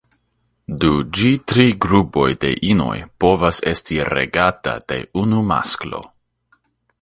Du ĝi tri grupoj de inoj povas esti regata de unu masklo.